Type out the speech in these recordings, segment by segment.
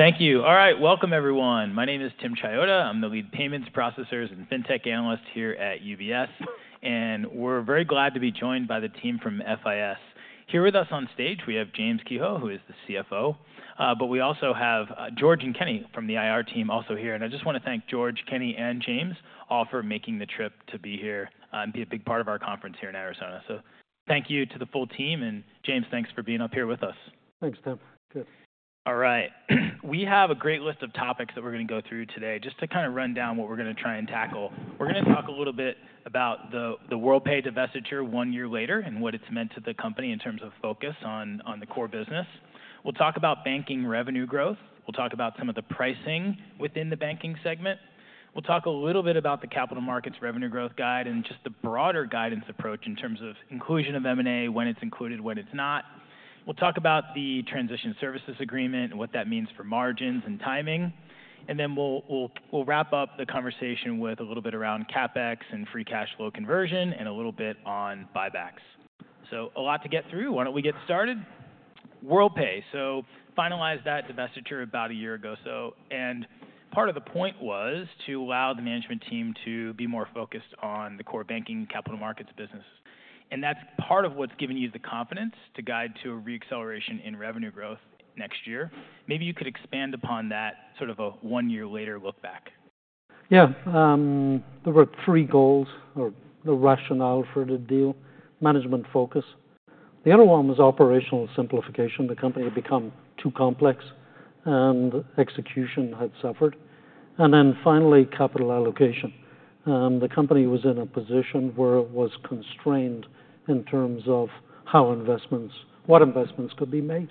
Thank you. All right, welcome, everyone. My name is Tim Chiodo. I'm the lead payments processors and fintech analyst here at UBS. And we're very glad to be joined by the team from FIS. Here with us on stage, we have James Kehoe, who is the CFO. But we also have George and Kenny from the IR team also here. And I just want to thank George, Kenny, and James all for making the trip to be here and be a big part of our conference here in Arizona. So thank you to the full team. And James, thanks for being up here with us. Thanks, Tim. Good. All right. We have a great list of topics that we're going to go through today, just to kind of run down what we're going to try and tackle. We're going to talk a little bit about the Worldpay divestiture one year later and what it's meant to the company in terms of focus on the core business. We'll talk about banking revenue growth. We'll talk about some of the pricing within the banking segment. We'll talk a little bit about the Capital Markets revenue growth guidance and just the broader guidance approach in terms of inclusion of M&A, when it's included, when it's not. We'll talk about the Transition Services Agreement and what that means for margins and timing. Then we'll wrap up the conversation with a little bit around CapEx and free cash flow conversion and a little bit on buybacks. So a lot to get through. Why don't we get started? Worldpay. So finalized that divestiture about a year ago. And part of the point was to allow the management team to be more focused on the core banking capital markets business. And that's part of what's given you the confidence to guide to a reacceleration in revenue growth next year. Maybe you could expand upon that, sort of a one-year-later look back. Yeah. There were three goals or the rationale for the deal: management focus. The other one was operational simplification. The company had become too complex, and execution had suffered. And then finally, capital allocation. The company was in a position where it was constrained in terms of how investments, what investments could be made.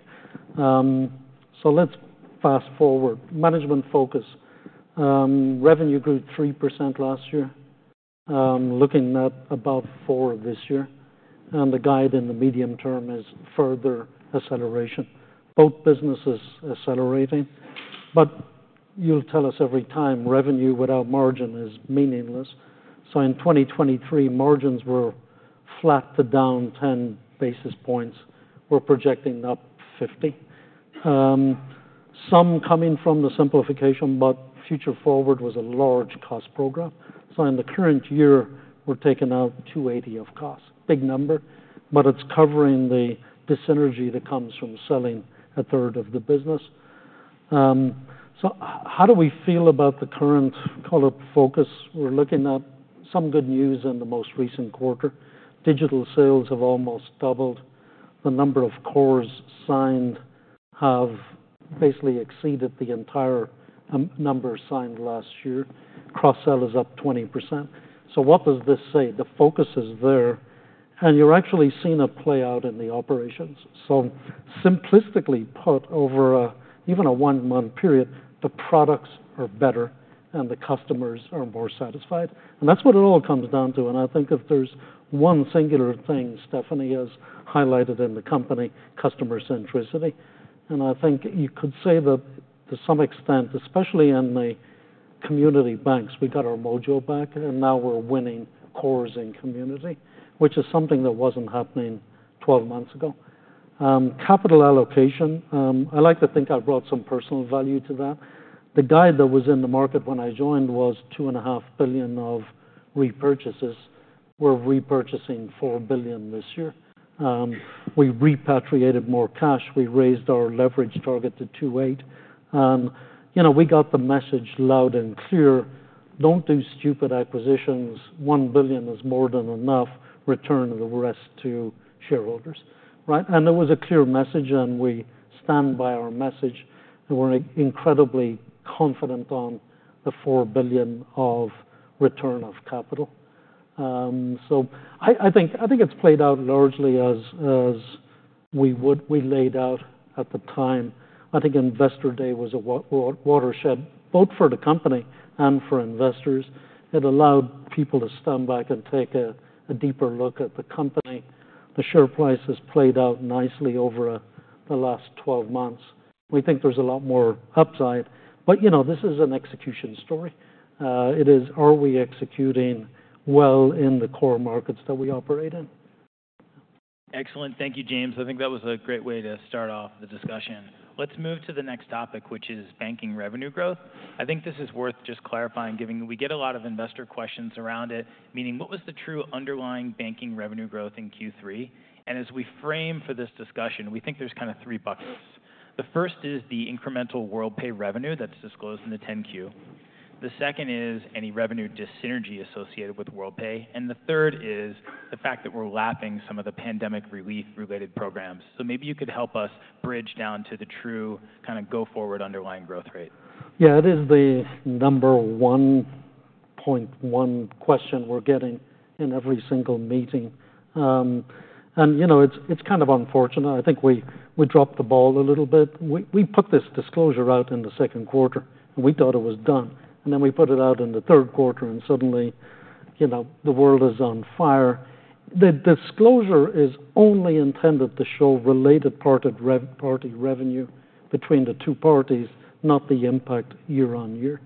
So let's fast forward. Management focus. Revenue grew 3% last year, looking at about 4% this year. And the guide in the medium term is further acceleration. Both businesses accelerating. But you'll tell us every time revenue without margin is meaningless. So in 2023, margins were flat to down 10 basis points. We're projecting up 50. Some coming from the simplification, but Future Forward was a large cost program. So in the current year, we're taking out $280 million of cost. Big number, but it's covering the dyssynergy that comes from selling a third of the business. How do we feel about the current call-up focus? We're looking at some good news in the most recent quarter. Digital sales have almost doubled. The number of cores signed have basically exceeded the entire number signed last year. Cross-sell is up 20%. What does this say? The focus is there. You're actually seeing a play out in the operations. Simplistically put, over even a one-month period, the products are better and the customers are more satisfied. That's what it all comes down to. I think if there's one singular thing Stephanie has highlighted in the company, customer centricity. You could say that to some extent, especially in the community banks, we got our mojo back. Now we're winning cores in community, which is something that wasn't happening 12 months ago. Capital allocation, I like to think I brought some personal value to that. The guide that was in the market when I joined was $2.5 billion of repurchases. We're repurchasing $4 billion this year. We repatriated more cash. We raised our leverage target to 2.8. And we got the message loud and clear. Don't do stupid acquisitions. $1 billion is more than enough. Return the rest to shareholders. And it was a clear message. And we stand by our message. And we're incredibly confident on the $4 billion of return of capital. So I think it's played out largely as we laid out at the time. I think Investor Day was a watershed both for the company and for investors. It allowed people to stand back and take a deeper look at the company. The share price has played out nicely over the last 12 months. We think there's a lot more upside. But this is an execution story. It is, are we executing well in the core markets that we operate in? Excellent. Thank you, James. I think that was a great way to start off the discussion. Let's move to the next topic, which is banking revenue growth. I think this is worth just clarifying, given we get a lot of investor questions around it, meaning what was the true underlying banking revenue growth in Q3? And as we frame for this discussion, we think there's kind of three buckets. The first is the incremental Worldpay revenue that's disclosed in the 10-Q. The second is any revenue dyssynergy associated with Worldpay. And the third is the fact that we're lapping some of the pandemic relief-related programs. So maybe you could help us bridge down to the true kind of go-forward underlying growth rate. Yeah, it is the number one point one question we're getting in every single meeting. And it's kind of unfortunate. I think we dropped the ball a little bit. We put this disclosure out in the second quarter. And we thought it was done. And then we put it out in the third quarter. And suddenly, the world is on fire. The disclosure is only intended to show related party revenue between the two parties, not the impact year on year.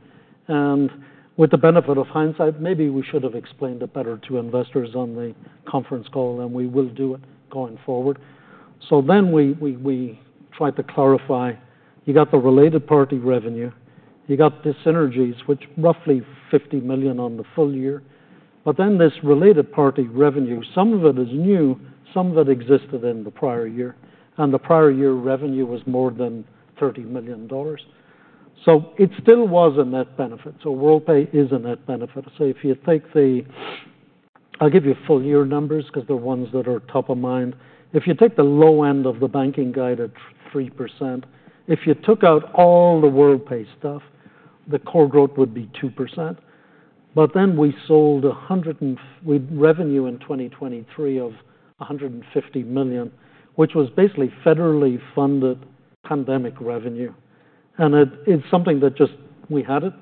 And with the benefit of hindsight, maybe we should have explained it better to investors on the conference call. And we will do it going forward. So then we tried to clarify. You got the related party revenue. You got dyssynergies, which roughly $50 million on the full year. But then this related party revenue, some of it is new, some of it existed in the prior year. The prior year revenue was more than $30 million. It still was a net benefit. Worldpay is a net benefit. If you take the, I'll give you full year numbers because they're ones that are top of mind. If you take the low end of the banking guide at 3%, if you took out all the Worldpay stuff, the core growth would be 2%. Then we sold revenue in 2023 of $150 million, which was basically federally funded pandemic revenue. It's something that just we had it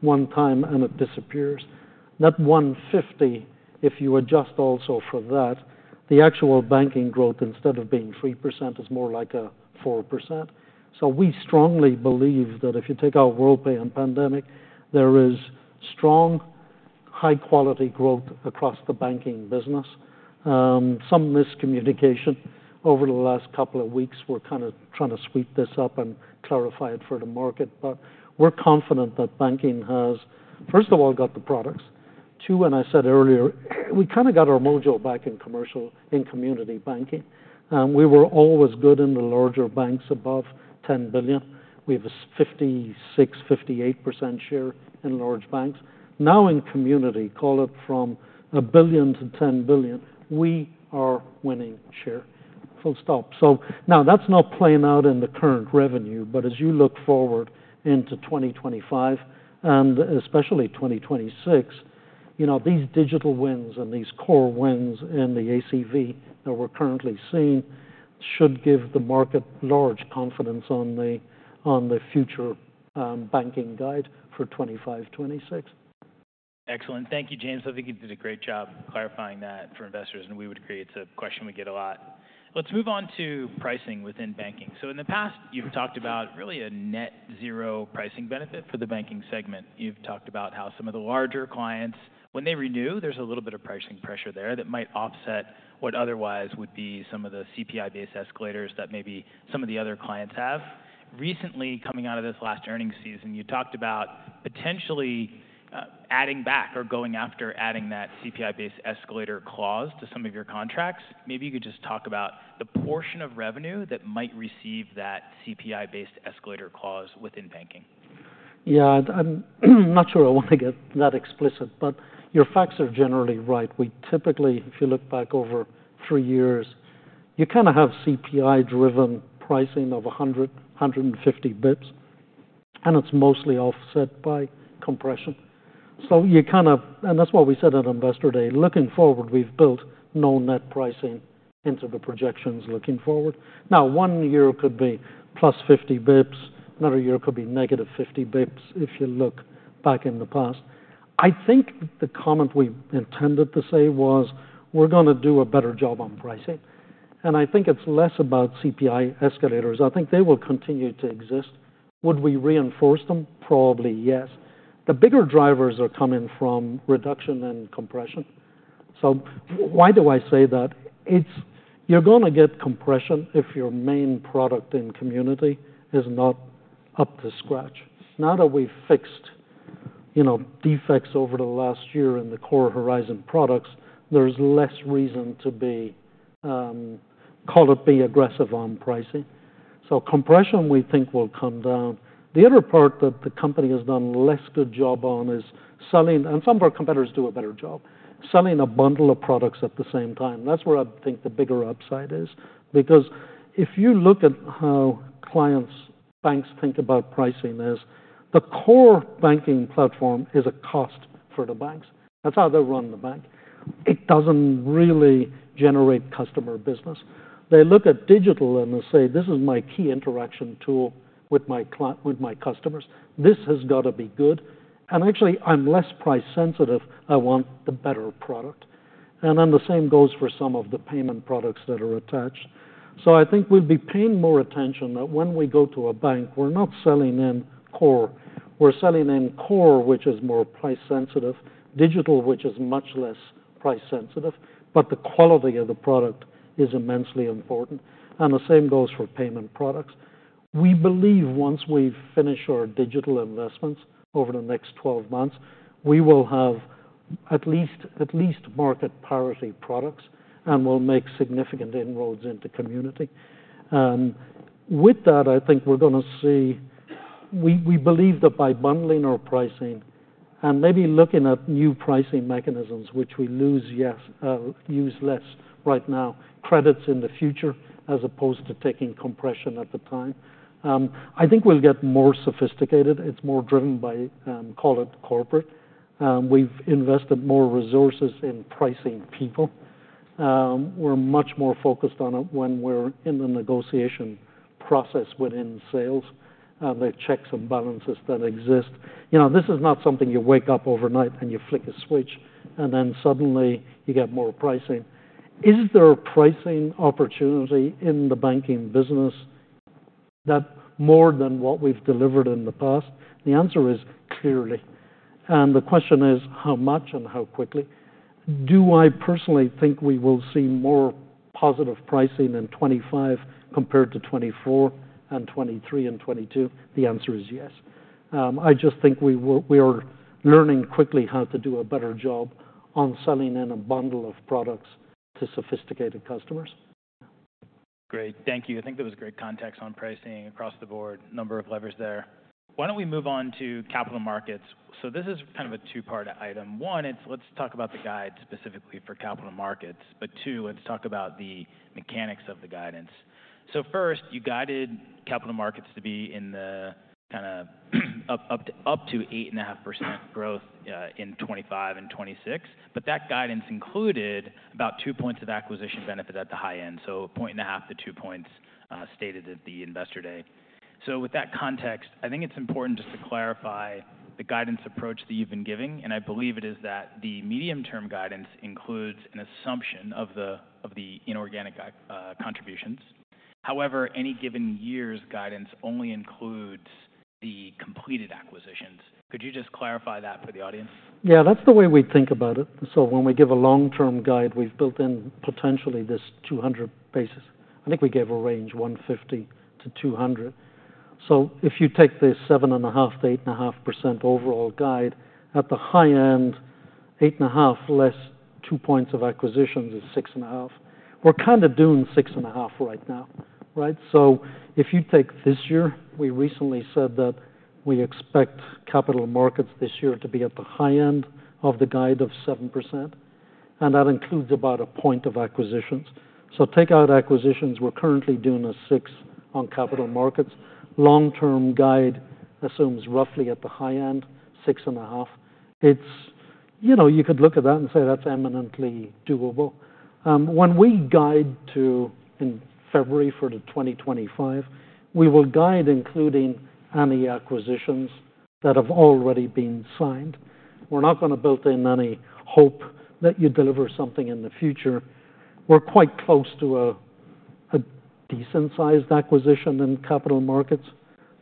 one time and it disappears. That $150 million, if you adjust also for that, the actual banking growth instead of being 3% is more like a 4%. We strongly believe that if you take out Worldpay and pandemic, there is strong, high-quality growth across the banking business. Some miscommunication over the last couple of weeks. We're kind of trying to sweep this up and clarify it for the market. But we're confident that banking has, first of all, got the products. Two, and I said earlier, we kind of got our mojo back in community banking. We were always good in the larger banks above 10 billion. We have a 56%, 58% share in large banks. Now in community, call it from a billion to 10 billion, we are winning share. Full stop. So now that's not playing out in the current revenue. But as you look forward into 2025, and especially 2026, these digital wins and these core wins in the ACV that we're currently seeing should give the market large confidence on the future banking guide for 25-26. Excellent. Thank you, James. I think you did a great job clarifying that for investors, and we would agree. It's a question we get a lot. Let's move on to pricing within banking, so in the past, you've talked about really a net-zero pricing benefit for the banking segment. You've talked about how some of the larger clients, when they renew, there's a little bit of pricing pressure there that might offset what otherwise would be some of the CPI-based escalators that maybe some of the other clients have. Recently, coming out of this last earnings season, you talked about potentially adding back or going after adding that CPI-based escalator clause to some of your contracts. Maybe you could just talk about the portion of revenue that might receive that CPI-based escalator clause within banking. Yeah, I'm not sure I want to get that explicit. But your facts are generally right. We typically, if you look back over three years, you kind of have CPI-driven pricing of 100-150 basis points. And it's mostly offset by compression. So you kind of, and that's what we said at Investor Day. Looking forward, we've built no net pricing into the projections looking forward. Now, one year could be +50 basis points. Another year could be -50 basis points if you look back in the past. I think the comment we intended to say was we're going to do a better job on pricing. And I think it's less about CPI escalators. I think they will continue to exist. Would we reinforce them? Probably yes. The bigger drivers are coming from reduction and compression. So why do I say that? You're going to get compression if your main product in community is not up to scratch. Now that we've fixed defects over the last year in the core Horizon products, there's less reason to call it be aggressive on pricing. So compression, we think, will come down. The other part that the company has done less good job on is selling, and some of our competitors do a better job, selling a bundle of products at the same time. That's where I think the bigger upside is. Because if you look at how clients, banks think about pricing is the core banking platform is a cost for the banks. That's how they run the bank. It doesn't really generate customer business. They look at digital and they say, this is my key interaction tool with my customers. This has got to be good, and actually, I'm less price sensitive. I want the better product. And then the same goes for some of the payment products that are attached. So I think we'll be paying more attention that when we go to a bank, we're not selling in core. We're selling in core, which is more price sensitive, digital, which is much less price sensitive. But the quality of the product is immensely important. And the same goes for payment products. We believe once we finish our digital investments over the next 12 months, we will have at least market parity products and will make significant inroads into community. With that, I think we're going to see, we believe that by bundling our pricing and maybe looking at new pricing mechanisms, which we lose less right now, credits in the future as opposed to taking compression at the time. I think we'll get more sophisticated. It's more driven by, call it corporate. We've invested more resources in pricing people. We're much more focused on it when we're in the negotiation process within sales and the checks and balances that exist. This is not something you wake up overnight and you flick a switch and then suddenly you get more pricing. Is there a pricing opportunity in the banking business that more than what we've delivered in the past? The answer is clearly, and the question is how much and how quickly. Do I personally think we will see more positive pricing in 2025 compared to 2024 and 2023 and 2022? The answer is yes. I just think we are learning quickly how to do a better job on selling in a bundle of products to sophisticated customers. Great. Thank you. I think there was great context on pricing across the board, number of levers there. Why don't we move on to capital markets? So this is kind of a two-part item. One, let's talk about the guide specifically for capital markets. But two, let's talk about the mechanics of the guidance. So first, you guided capital markets to be in the kind of up to 8.5% growth in 2025 and 2026. But that guidance included about two points of acquisition benefit at the high end. So a point and a half to two points stated at the Investor Day. So with that context, I think it's important just to clarify the guidance approach that you've been giving. And I believe it is that the medium-term guidance includes an assumption of the inorganic contributions. However, any given year's guidance only includes the completed acquisitions. Could you just clarify that for the audience? Yeah, that's the way we think about it. So when we give a long-term guide, we've built in potentially this 200 basis points. I think we gave a range 150 to 200. So if you take this 7.5%-8.5% overall guide, at the high end, 8.5% less two points of acquisitions is 6.5%. We're kind of doing 6.5% right now. So if you take this year, we recently said that we expect capital markets this year to be at the high end of the guide of 7%. And that includes about a point of acquisitions. So take out acquisitions, we're currently doing a 6% on capital markets. Long-term guide assumes roughly at the high end, 6.5%. You could look at that and say that's eminently doable. When we guide in February for the 2025, we will guide including any acquisitions that have already been signed. We're not going to build in any hope that you deliver something in the future. We're quite close to a decent-sized acquisition in capital markets,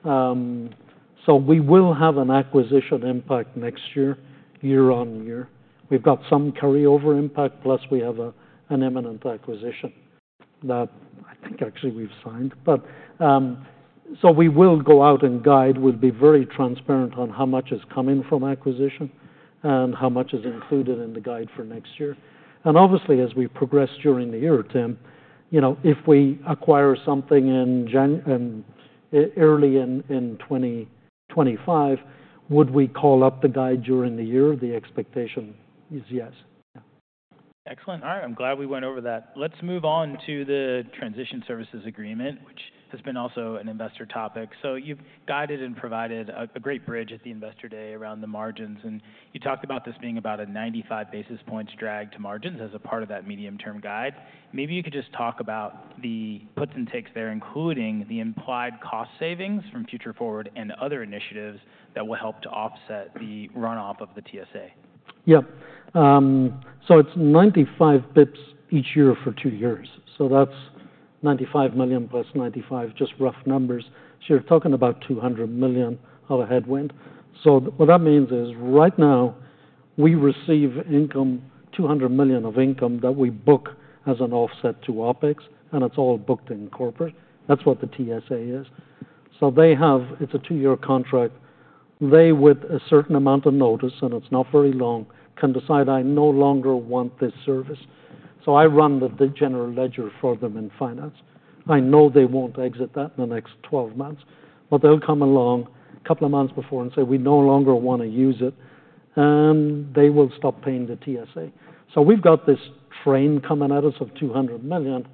so we will have an acquisition impact next year, year on year. We've got some carryover impact, plus we have an imminent acquisition that I think actually we've signed, so we will go out and guide. We'll be very transparent on how much is coming from acquisition and how much is included in the guide for next year, and obviously, as we progress during the year, Tim, if we acquire something early in 2025, would we call up the guide during the year? The expectation is yes. Excellent. All right. I'm glad we went over that. Let's move on to the transition services agreement, which has been also an investor topic. So you've guided and provided a great bridge at the Investor Day around the margins. And you talked about this being about a 95 basis points drag to margins as a part of that medium-term guide. Maybe you could just talk about the puts and takes there, including the implied cost savings from Future Forward and other initiatives that will help to offset the runoff of the TSA. Yeah. So it's 95 basis points each year for two years. So that's $95 million plus $95 million, just rough numbers. So you're talking about $200 million of a headwind. So what that means is right now we receive income, $200 million of income that we book as an offset to OpEx. And it's all booked in corporate. That's what the TSA is. So it's a two-year contract. They, with a certain amount of notice, and it's not very long, can decide, I no longer want this service. So I run the general ledger for them in finance. I know they won't exit that in the next 12 months. But they'll come along a couple of months before and say, we no longer want to use it. And they will stop paying the TSA. So we've got this train coming at us of $200 million.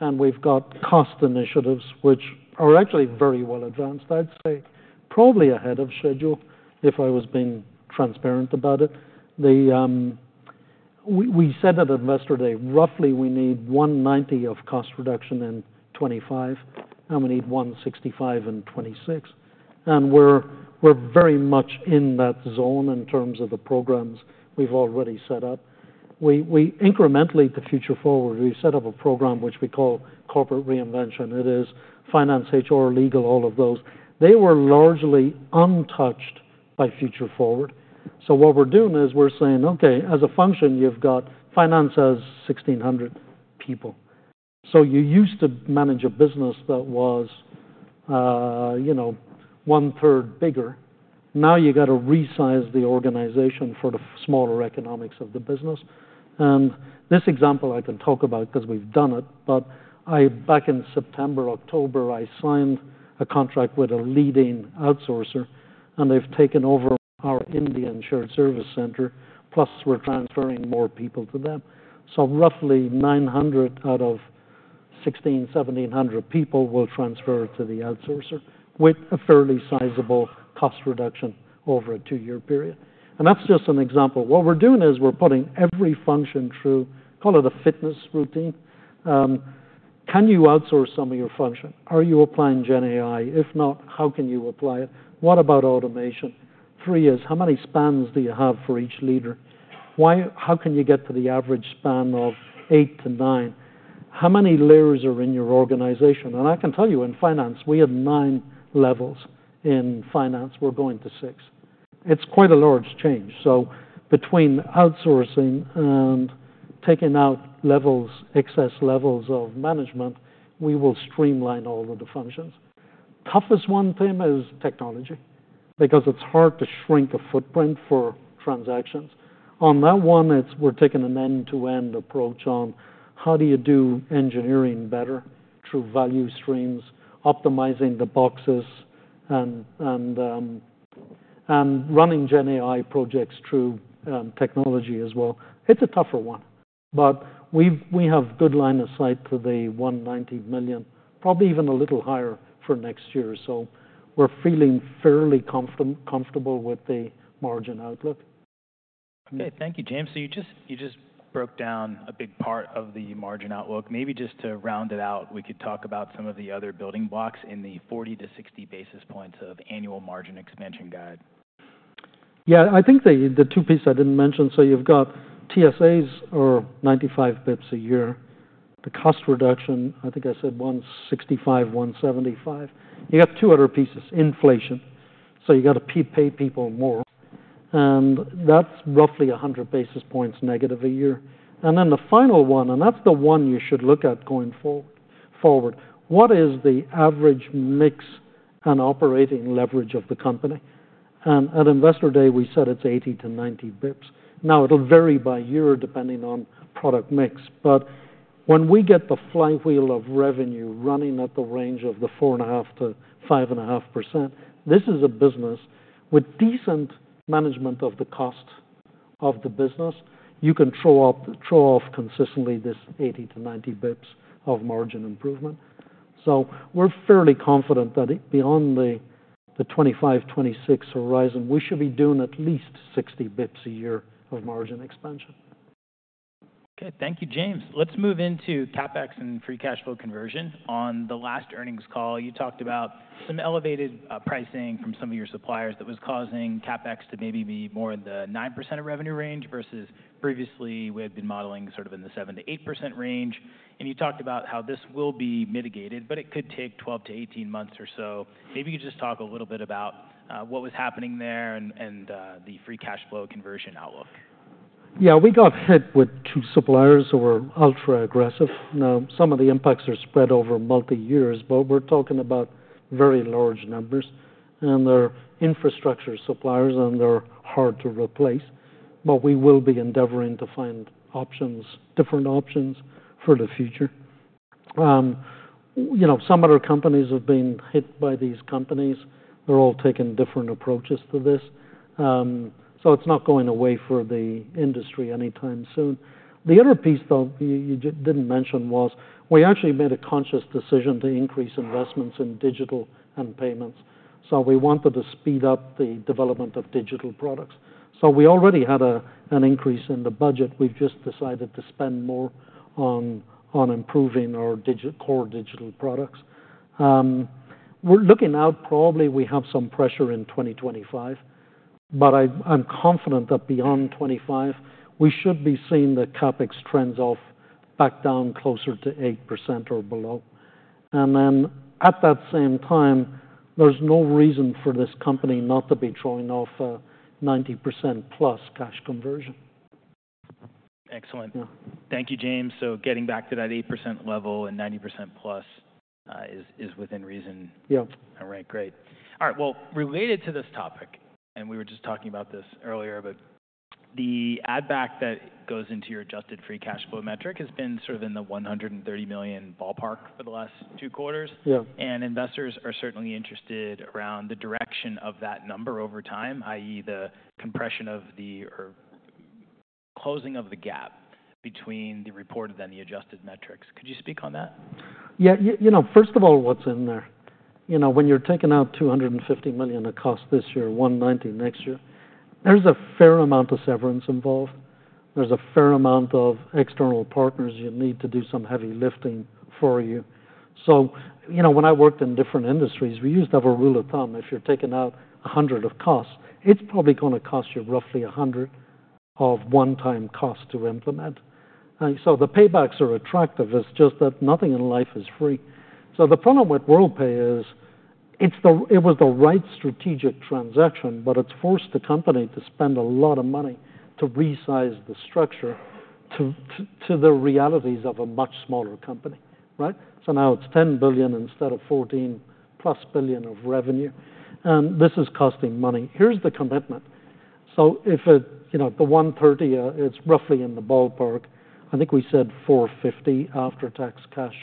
And we've got cost initiatives, which are actually very well advanced, I'd say, probably ahead of schedule if I was being transparent about it. We said at Investor Day, roughly, we need $190 million of cost reduction in 2025. And we need $165 million in 2026. And we're very much in that zone in terms of the programs we've already set up. Incrementally, to Future Forward, we set up a program, which we call Corporate Reinvention. It is finance, HR, legal, all of those. They were largely untouched by Future Forward. So what we're doing is we're saying, OK, as a function, you've got finance as 1,600 people. So you used to manage a business that was one-third bigger. Now you've got to resize the organization for the smaller economics of the business. And this example I can talk about because we've done it. But back in September, October, I signed a contract with a leading outsourcer. And they've taken over our Indian shared service center, plus we're transferring more people to them. So roughly 900 out of 1,600-1,700 people will transfer to the outsourcer with a fairly sizable cost reduction over a two-year period. And that's just an example. What we're doing is we're putting every function through, call it a fitness routine. Can you outsource some of your function? Are you applying GenAI? If not, how can you apply it? What about automation? Three is how many spans do you have for each leader? How can you get to the average span of eight-to-nine? How many layers are in your organization? And I can tell you in finance, we had nine levels. In finance, we're going to six. It's quite a large change. Between outsourcing and taking out excess levels of management, we will streamline all of the functions. Toughest one, Tim, is technology because it's hard to shrink a footprint for transactions. On that one, we're taking an end-to-end approach on how do you do engineering better through value streams, optimizing the boxes, and running GenAI projects through technology as well. It's a tougher one. But we have good line of sight to the $190 million, probably even a little higher for next year. We're feeling fairly comfortable with the margin outlook. OK, thank you, Jim. So you just broke down a big part of the margin outlook. Maybe just to round it out, we could talk about some of the other building blocks in the 40-60 basis points of annual margin expansion guide. Yeah, I think the two pieces I didn't mention. So you've got TSAs [that] are 95 basis points a year. The cost reduction, I think I said 165-175. You've got two other pieces, inflation. So you've got to pay people more. And that's roughly 100 basis points negative a year. And then the final one, and that's the one you should look at going forward, what is the average mix and operating leverage of the company? And at Investor Day, we said it's 80-90 basis points. Now it'll vary by year depending on product mix. But when we get the flywheel of revenue running at the range of the 4.5%-5.5%, this is a business with decent management of the cost of the business. You can throw off consistently this 80-90 basis points of margin improvement. So we're fairly confident that beyond the 2025, 2026 horizon, we should be doing at least 60 basis points a year of margin expansion. OK, thank you, James. Let's move into CapEx and free cash flow conversion. On the last earnings call, you talked about some elevated pricing from some of your suppliers that was causing CapEx to maybe be more in the 9% of revenue range versus previously we had been modeling sort of in the 7%-8% range, and you talked about how this will be mitigated, but it could take 12-18 months or so. Maybe you could just talk a little bit about what was happening there and the free cash flow conversion outlook? Yeah, we got hit with two suppliers who were ultra-aggressive. Now some of the impacts are spread over multi-years, but we're talking about very large numbers, and they're infrastructure suppliers, and they're hard to replace, but we will be endeavoring to find different options for the future. Some other companies have been hit by these companies. They're all taking different approaches to this, so it's not going away for the industry anytime soon. The other piece, though, you didn't mention was we actually made a conscious decision to increase investments in digital and payments, so we wanted to speed up the development of digital products, so we already had an increase in the budget. We've just decided to spend more on improving our core digital products. We're looking out. Probably, we have some pressure in 2025. But I'm confident that beyond 2025, we should be seeing the CapEx trends off back down closer to 8% or below. And then at that same time, there's no reason for this company not to be throwing off a 90% plus cash conversion. Excellent. Thank you, James. So getting back to that 8% level and 90% plus is within reason. Yeah. All right, great. All right, well, related to this topic, and we were just talking about this earlier, but the add-back that goes into your adjusted free cash flow metric has been sort of in the $130 million ballpark for the last two quarters. And investors are certainly interested around the direction of that number over time, i.e., the compression of the or closing of the gap between the reported and the adjusted metrics. Could you speak on that? Yeah, you know, first of all, what's in there? When you're taking out $250 million of cost this year, $190 million next year, there's a fair amount of severance involved. There's a fair amount of external partners you need to do some heavy lifting for you. So when I worked in different industries, we used to have a rule of thumb. If you're taking out $100 of cost, it's probably going to cost you roughly $100 of one-time cost to implement. So the paybacks are attractive. It's just that nothing in life is free. So the problem with Worldpay is it was the right strategic transaction, but it's forced the company to spend a lot of money to resize the structure to the realities of a much smaller company. So now it's $10 billion instead of $14 billion plus of revenue. And this is costing money. Here's the commitment. So if the 130, it's roughly in the ballpark. I think we said 450 after-tax cash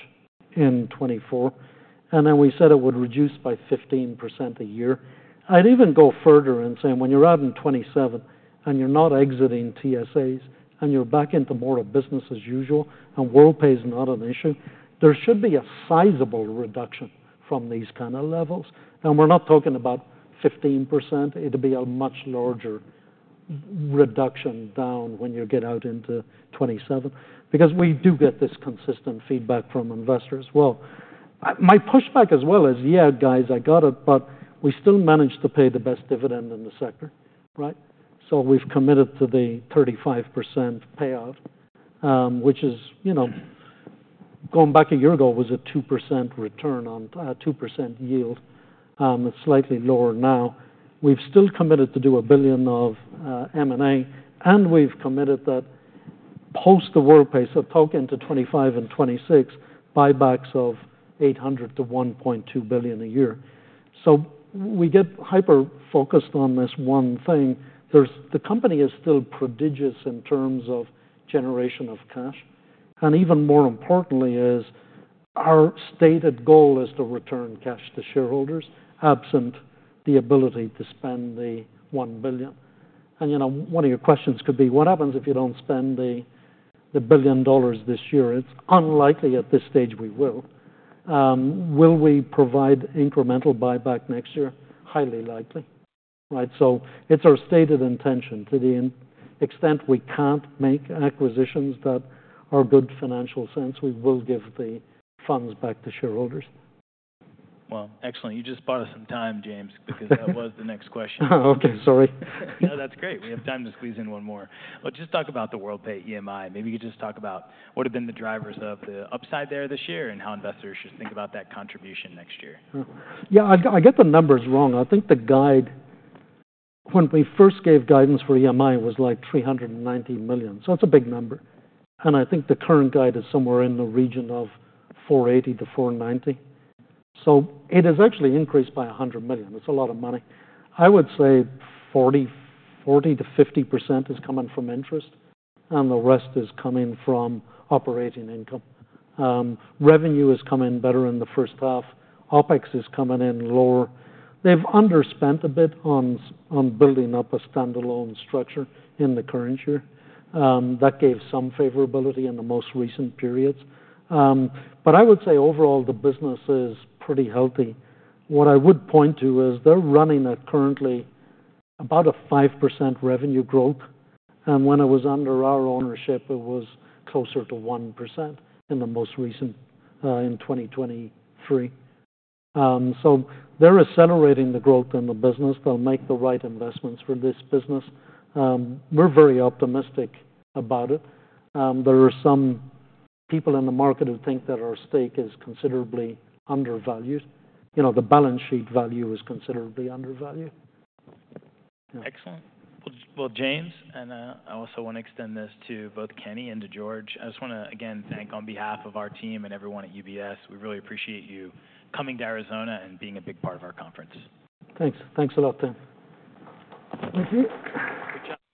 in 2024. And then we said it would reduce by 15% a year. I'd even go further and say when you're out in 2027 and you're not exiting TSAs and you're back into more of a business as usual and Worldpay is not an issue, there should be a sizable reduction from these kind of levels. And we're not talking about 15%. It'd be a much larger reduction down when you get out into 2027 because we do get this consistent feedback from investors. Well, my pushback as well is, yeah, guys, I got it. But we still managed to pay the best dividend in the sector. So we've committed to the 35% payout, which is going back a year ago, it was a 2% return on 2% yield. It's slightly lower now. We've still committed to do $1 billion of M&A, and we've committed that post the Worldpay, so talking to 2025 and 2026, buybacks of $800 million-$1.2 billion a year, so we get hyper-focused on this one thing. The company is still prodigious in terms of generation of cash, and even more importantly, our stated goal is to return cash to shareholders absent the ability to spend the $1 billion, and one of your questions could be, what happens if you don't spend the $1 billion this year? It's unlikely at this stage we will. Will we provide incremental buyback next year? Highly likely, so it's our stated intention to the extent we can't make acquisitions that are good financial sense, we will give the funds back to shareholders. Excellent. You just bought us some time, James, because that was the next question. Oh, OK, sorry. No, that's great. We have time to squeeze in one more. But just talk about the Worldpay EMI. Maybe you could just talk about what have been the drivers of the upside there this year and how investors should think about that contribution next year. Yeah, I get the numbers wrong. I think the guide, when we first gave guidance for EMI, it was like $390 million. So it's a big number. And I think the current guide is somewhere in the region of $480 million-$490 million. So it has actually increased by $100 million. That's a lot of money. I would say 40%-50% is coming from interest. And the rest is coming from operating income. Revenue is coming better in the first half. Opex is coming in lower. They've underspent a bit on building up a standalone structure in the current year. That gave some favorability in the most recent periods. But I would say overall, the business is pretty healthy. What I would point to is they're running at currently about a 5% revenue growth. When it was under our ownership, it was closer to 1% in the most recent in 2023. They're accelerating the growth in the business. They'll make the right investments for this business. We're very optimistic about it. There are some people in the market who think that our stake is considerably undervalued. The balance sheet value is considerably undervalued. Excellent. Well, James, and I also want to extend this to both Kenny and to George. I just want to, again, thank on behalf of our team and everyone at UBS. We really appreciate you coming to Arizona and being a big part of our conference. Thanks. Thanks a lot, Tim. Good job.